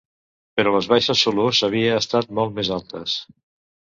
Però les baixes zulus havia estat molt més altes.